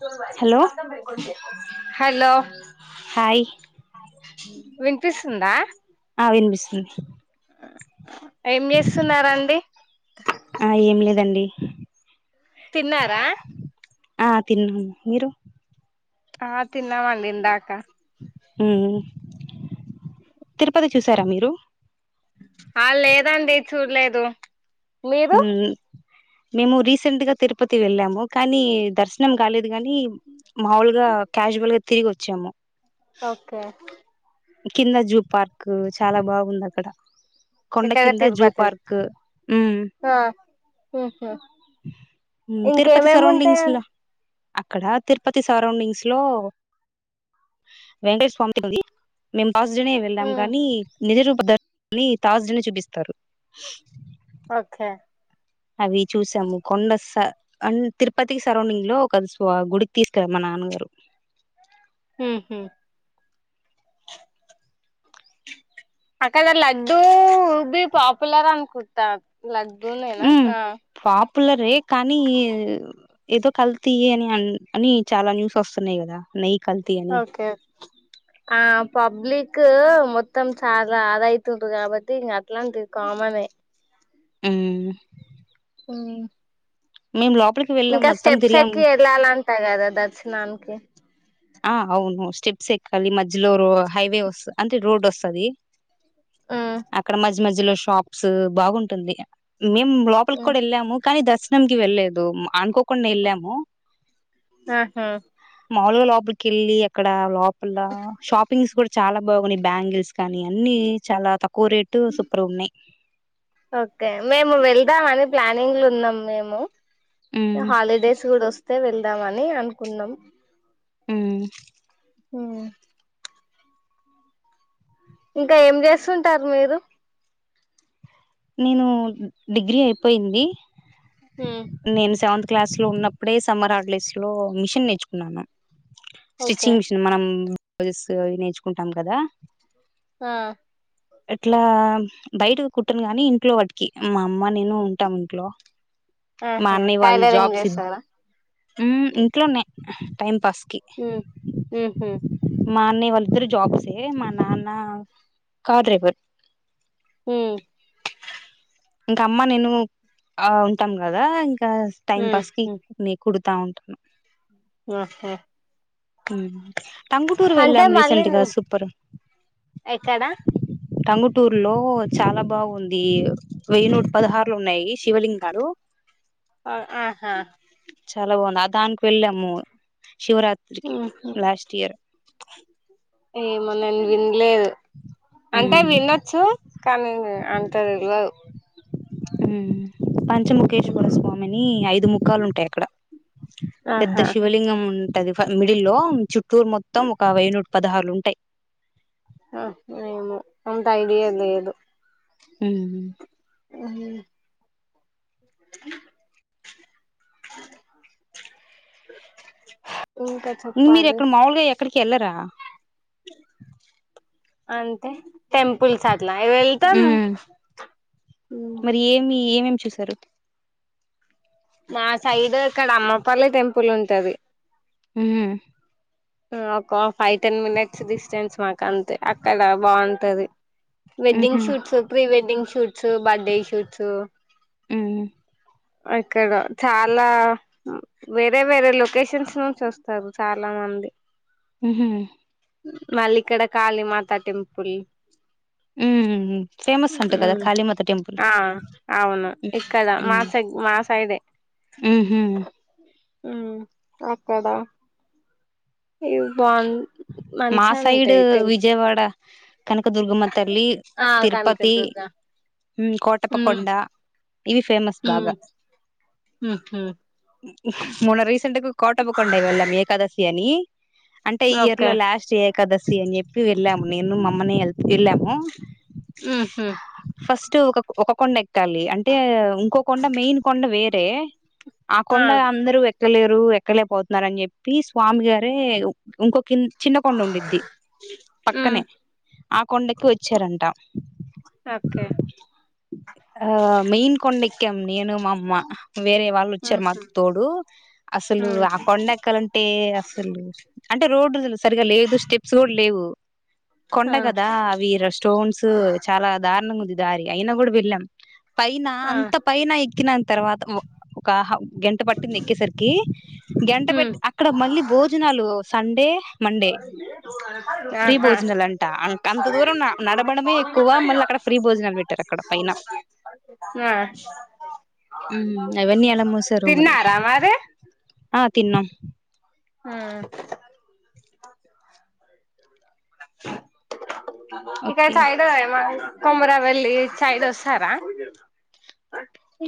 దో వారి హలో అంత బిల్కుల్ చే హెలో హాయ్ విన్పిస్తుందా విన్పిస్తుతుంది అయ్ ఏం చేస్తున్నారండి అదండి తిన్నారా ఆ తిన్నాను మీరు ఆ తిన్నామండి ఇందాకా మ్ తిరుపతి చూసారా మీరు ఆ లేదండి చూడలేదు మీరు ఉమ్ మేము రీసెంట్గా తిరుపతి వెళ్ళాము కానీ దర్శనం కాలేదు గాని మాములుగా క్యాజువల్ గా తిరిగి వచ్చాము ఓకే కింద జూ పార్క్ చాలా బాగుంది అక్కడ కొండ ఇక్కడ కింద జూ తిరుపతి పార్క్ ఉ ఉ ఆ తిరుపతి ఇంకేమేమి ఉంటాయా సరౌండింగ్స్ లో అక్కడ తిరుపతి సరౌండింగ్స్ లో వెంకటేషస్వామిది ఉంది మేము ఫస్ట్ డేనే వెళ్ళాం ఉమ్ కానీ నిజ రూపా ప దర్శని తార్స్డే నే చూపిస్తారు ఓకే అవి చూసాము కొండ స అం తిరుపతి సరౌండింగ్ లో ఒక గుడికి తీసుకేళ్ళ మా నాన్నగారు ఉహు అక్కడ లడ్డూ బి పాపులర్ అన్ కుతా లడ్డూ నేనా ఆ పులరే కానీ ఏ ఏదో కల్తీ అని అని చాలా న్యూస్ వస్తున్నాయి కదా నెయ్యి కల్తీ అని ఓకే ఆ పబ్లిక్ మొత్తం చాలా అదయితురు కాబట్టి ఇంకా అట్లాంటి కామనే ఉ ఉ మేము లో ఇంకా స్టెప్స్ ఎక్కి ఏళ్ళాలంటా కదా దర్శనానికి ఆ అవును స్టెప్స్ ఎక్కాలి మధ్యలో రో హైవే వస్త అంటే రోడ్ వస్తది అక్కడ మజ మధ్య మధ్యలో షాప్స్ బాగుంటుంది మేము లోపలికి కూడా వెళ్ళాము కానీ దర్శ ర్శనంకి వెళ్ళలేదు అనుకోకుండా ఎళ్ళాము ఆహా మామూలుగా లో పలి కేళ్ళి అక్కడ లో ల షాపింగ్స్ కూడా చాలా బాగున్నాయి బ్యాంగిల్స్ కానీ అన్ని చాలా తక్ క్కువ రేటు సూపర్ ఉన్నాయి ఓకే మేము వెళ్దాం అని ప్లానింగ్లు ఉన్నాం మేము హ్మ్. హాలిడేస్ కూడా వస్తు ే వెళ్దామని అనుకున్నాం అ హ ఇంక ఏం చేస్తుంటారు మీరు నేనూ డిగ్రీ అయిపోయింది. నేను సెవెంత్ క్లాస్ లో ఉన్నప్పుడే సమ్మర్ హాలిడేస్ లో మిషన్ నేర్చుకున్నాను. ఓకే స్టిచింగ్ మిషన్ మనం బ్లౌజెస్ అవి నేర్చుకుంటాం కద హ ఎట్లా బయటికి కు ట్టను గాని ఇంట్లో వాటికి మా అమ్మ నేను ఉంటాం ఇంట్లో మా ఆహా అన్నయ్య వాళ్ళు టైలరింగ్ జాబ్స్ హు చేస్తారా ఇంట్లోనే టైంపాస్ ఉ ఉహు మా అన్నయ్య వాళ్ళిద్దరు జాబ్సే మా నాన్న కారు డ్రైవర్ హు ఇంక అమ్మ నేను ఆ ఉంటాం కదా ఇంక టైమ్ పాస్ కి నీకుడ్ తా ఉంటాను ఉహు టంగుటూరు వెళ్ళాం మళ్ళీ రీసెంట్ గా సూపర్ ఎక్కడ టంగుటూరు లో చాలా బాగుంది. వెయ్యి నూట పదహారులు ఉన్నాయి. శివలింగాలు ఆహ చాలా బావుంది ఆ దానికి వెళ్ళాము. శివరాత్రికి లాస్ట్ ఇయర్ ఇన్ని లేదు అంటే హ్మ్. వినొచ్చు కానీ అంత తెల్వదు. ఉమ్ పన్ చముఖేశ్వర స్వామిని ఐదు దుముఖాలు ఉంటాయి అక్కడ పెద్ద ఆహా శివలింగం ఉన్ అదే ఫ మిడిల్ లో చుట్ టూర్ మొత్తం ఒక వేయినుట పదహారులుంటాయి ఆహ ఏమో అంత ఐడియా లేదు. ఉమ్ఉమ్ అహా [inaudible] మీరెక్డ మావులె క్కడికి ఏళ్ళరా [inaudible] అంటె టెంపుల్స్ అ ల వెళ్తమ్ ఏమేమ్ చూశరు నా సైడ్ క్కడ అమ్ పలె టెంపుల్ ఉంటది ఉమ్ మ్ ఒక ఫై, టెన్ మినట్స్ డిస్టెన్స్ మాకంతే అక్కడ బావుంటది ఉహూ wedding shoots, pre wedding shoot సు బర్డేషూట్షు హ్మ్ అక్కడ చాలా వేరె వేరె లొకేషన్స్ నుంచి ఒస్తరు చాలా మంది ఉహు మళ్ళీక్కడ కాళీమాత టెంపుల్ ఉమ్ ఫేమస్ అంట కద ఉమ్ కాళీమాత టెంపుల్ ఆ అవును ఇక్కడ ఉ మా సైడ్ మా సైడే ఉహు ఉమ్ అక్కడ ఇ బాన్ మా సైడూ విజయ్వాడ కనకదుర్గమ్మ తల్లి, ఆ తిరుపతి కనకదుర్గ ఉమ్ కోటపకొండ ఇవి ఫేమస్ బాగ ఉమ్ ఉహు మొన రీసెంట్గ కోటపకొండ వెళ్ళాం ఏకాదశి అని అంటె ఇ ఇయర్ లో ఓకే లాస్ ఏకాదశి అని చెప్పి వెళ్ళామ్ నేను మమ్మని వఎళ్ ఎళ్ళాము ఉహు ఫస్టూ ఒక ఒక కొండ ఎక్కాలి అంటే ఇంకో కొండ మెయిన్ కొండ వేర్ టే ఆ ఆకొండ అందరు వె ఎక్కలేరు ఎక్కలే పోతున్నారని జెప్పి స్వామి గారే ఉ ఇంకొక చిన్నకొండ ఉండిద్ది ఉమ్ పక్కనే ఆ కొండకి ఒచ్చారంట ఓకే ఆ మెయిన్ కొండ ఎక్కాం నేను మా అమ్మ వేరే వాళ్ళు ఒచ్చారు ఉహు మాకు తోడు అసలు ఉమ్ ఆ కొండ ఎక్కాలంటే అసలు అంటె రోడ్డుదులు సరిగా లేదు స్టెప్స్ కూడా లేవు ఆ కొండగదా వీర స్టోన్స్ చాలా దారుణంగా ఉంది దారి అయిన కూడవెళ్ళాం పైనా ఆ అంత పైన ఇక్కినంత తర్వాత ఒక హా గంట పట్టింది ఎక్కేసరికి గంట ఉమ్ పెట్టి అక్కడ మళ్ళీ భోజనాలు సం డే ఆహా భోజనాలు అంట అంత దూరం నడవడమే ఎక్కువ మళ్ళీ అక్కడ ఫ్రీ భోజనాలు పెట్టారు అక్కడ పైన ఆ అవన్నీ ఎలా మూసారు మరి తిన్నారా మరి. ఆ తిన్నాం ఉమ్. ఇక్కడ ఓకే చాయ్ తా ఏమన్న కొమురవెల్లి సైడ్ ఒస్తారా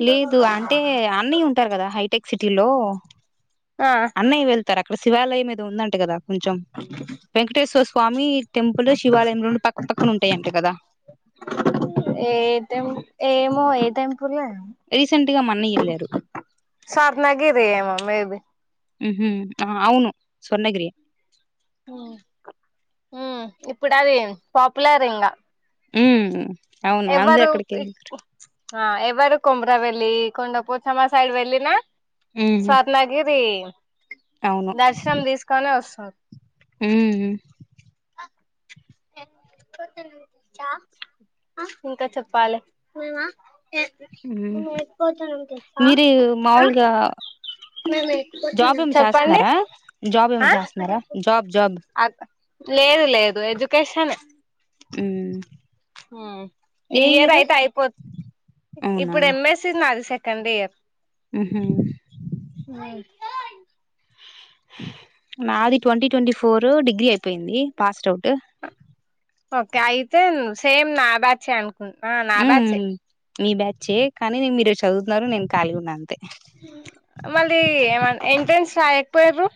లేదు అంటే అన్నయ్య ఉంటారు కదా హైటెక్. సిటీలో. ఆ. రక్కడ శివాలయం ఏదో ఉంద ట కదా కొంచెం వెంకటేశ్వర స్ స్వామి టెంపుల్ శివాలయం రెండు పక్క పక్కన ఉంటాయంట కదా ఏటెం ఏమో ఏ టెం రీసెంట్ గా మన్నయ్య వెళ్ళారు స్వర్ణగిరి ఏమో. మేబి. ఉహు ఆ అవును స్వర్ణగిరె. ఉమ్ ఇప్పుడు అది పాపులర్ ఇంగా. ఉమ్. అవును అందరు ఎవ్వరు అక్కడికే ఆ ఎవ్వరు కొమ్ర వెల్లి ళ్లి కొండపోచమ్మ సైడ్ వెళ్ళిన. ఉహు స్వర్ణగిరి. అవును దర్శనం తీసుకొని ఒస్తర్ ఉమ్ ఇంక చెప్పాలే. మీరూ మాములుగా జాబ్ ఏమన చెప్పండి చేస్తున్నారా జాబ్ ఏమన ఆ చేస్తున్నారా జాబ్ జాబ్. లేదు లేదు ఏజ్ కేశనే ఉమ్. హుమ్ ఏ ఈ ఇయర్ ఇయరైతే అయిపోత్ ఇప్పుడు ఎమ్. ఎస్. సి నాది సే. కండిఇయర్. ఉ హుమ్. నాది ట్వంటీ ట్వంటీ ఫోర్ డిగ్రీ అయిపోయింది పాస్డ్ ఔట్. ట్. [unintelligible] ఓకె అయితే సేమ్ నాబ్యాచ్చె అను అ.. నా.. ఉమ్ బేచ్ఛె మీ బ్యాచ్ఛే కానీ నేను మీరు చదువుతున్నారు నేను ఖాళీ గా ఉన్న మళ్ళీ ఏమన్నా ఎంట్రెన్స్ రాయక్ పోయర్రు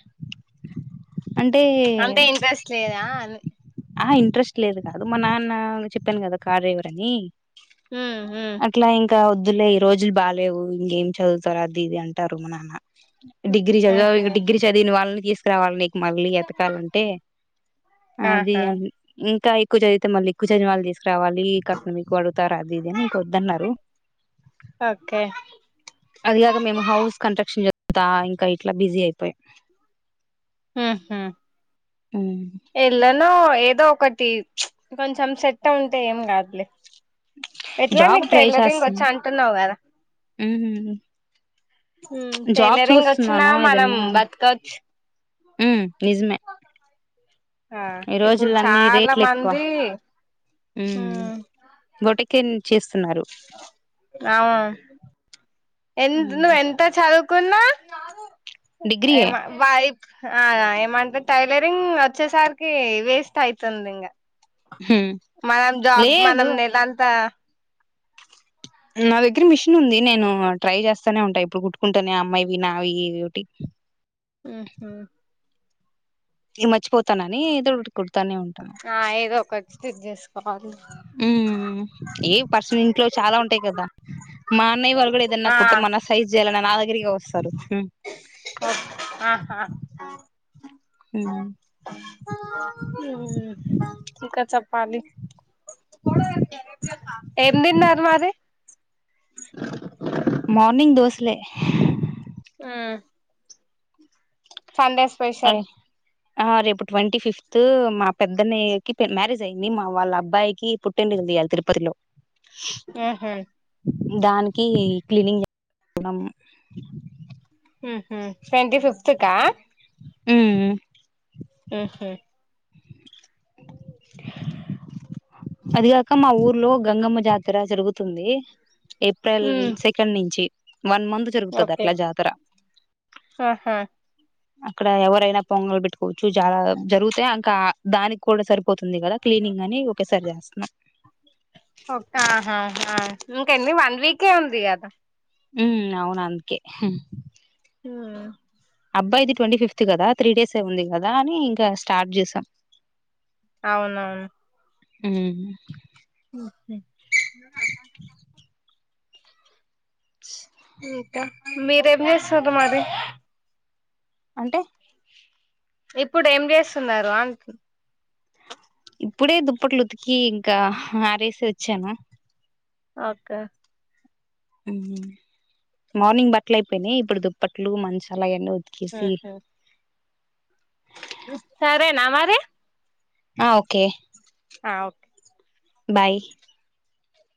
అంతే అంటే ఇంట్రెస్ట్ లేదా అని ఆ హా ఇంట్రెస్ట్ లేదు కాదు మా నాన్న చెప్పాను కదా కార్ డ్రైవర్ అని ఉమ్ ఉమ్ అట్లా ఏం కా వద్దులే ఈ రోజులు బాలేవు ఇంకేం చదువుతారు అది ఇది అంటారు మా నాన్న డిగ్రీ చదివావ్ ఆహా ఇంక డిగ్రీ చదివిన వాళ్ళని తీసుకురావాలని మళ్ళీ ఎతకాలంటే అది ఆహా అ ఇంకా ఎక్కువ చదివితే మళ్ళి ఎక్కువ చదివిన వాళ్ళని తీసుక్ రవాలి కట్నం ఎక్కువ అడుగుతారు అది ఇది అని వద్దన్నారు ఓకే అదిగాక మేము హౌస్ కట్రక్షన్ అద ఇంకా ఇట్లా బిజీ అయిపోయా హు... హమ్ [unintelligible] ఏదో ఒకటి కొంచెం సెట్ ఉంటే ఏం కాదులే ఎట్లా జాబ్ నీకు ట్రై టైలరింగ్ చేస్తున్నా వచ్చా అంటున్నావు కదా మ్. జాబ్ టైలరింగ్ వచ్చినా చూస్తున్నాను మనం బతకవచ్చు మ్ నిజమే ఆ ఈ ఇప్పుడు రోజులన్నీ చాలా రేట్లు ఎక్కువ మంది మ్.., బొటక్ అవు ఎంత్ నువ్ ఎంత చదువు కున్నా డిగ్రీయే ఎమొ వాయి ఆ ఏమంటే టైలరింగ్ వచ్చేసరికి వేస్ట్ అయితుంది ఇంకా హ్మ్ మనం జాబ్ లేదు మనం నిదంతా నా దగ్గర మిషన్ ఉంది నేను ట్రై చేస్తానే ఉంట ఎప్పుడు కుట్టుకుంటానే అమ్మయ్యివి నావియ్యి ఏయ్యొటి ఆహా ఈ మచిపోతు వస్తానని ఎదు కుడతానే ఉంటాను. చెక్ చేసు ఉ ఏ పర్సన ఇంట్లో చాలా ఉంటాయి కదా. మా అన్నయ్య వాళ్ళు కూడా ఏదన్నా ఆ కుట్ట మన సైజ్ చేల నా దగ్గరికి వస్తారు. ఆహా ఇంక చెప్ప పాలి ఏం తిన్నారు మరి [unintelligible] మార్నింగ్ దోశలే ఆ సండే స్పెషల్ ఆ రేపు ట్వంటీ ఫిఫ్త్ మా పెద్దఅన్నయ్య కి మ్యారేజ్ అయింది. మా వాళ్ళ అబ్బాయికి పుట్టెంటుకలు తీయాలి తిరుపతిలో. ఆహా దానికి క్లీనింగ్ చేకోవడం ఉహు ట్వంటీ ఫిఫ్త్ చుక్కా ఉ ఉ ఆహ అ [unintelligible] అదిగాక మా ఊర్లో గంగమ్మ జాతర జరుగుతుంది. ఏప్రిల్ ఉమ్ సెకండ్ నుంచి వన్ మంత్ జరుగుతుంది ఓకే అట్లా జాతర. ఆహా అక్కడ ఎవరైనా పొంగలు పెట్టుకోవచ్చు. చాలా జరుగుతా అంకా దానికి కూడా సరిపోతుంది, కదా క్లీనింగ్ అని ఒకేసారి చేస్తున్నాం. ఒక హ హ ఇంక ఎన్ని వన్ వీకే ఉంది కదా. ఉ అవును అందకే ఉ అబ్బాయిది ట్వంటీ ఫిఫ్త్ కదా, త్రీ డేస్ ఉంది కదా అని ఇంకా స్టార్ట్ చేసాం. అవునవును ఉ [inaudible] [unintelligible] [unintelligible] ఇంకా మీరేం చేస్తారు మరి అంటే ఇప్పుడు ఏం చేస్తున్నారు అం ఇప్పుడే దుప్పట్లు ఉతికి ఇంకా ఆరేసి వచ్చాను. ఓకే మార్నింగ్ బట్టల అయిపోయినాయి. ఇప్పుడు దుప్పట్లు, మంచాల అయన్నీ వ ఆహ సరే నా మరి ఆ ఓకే ఆ ఓకే బాయ్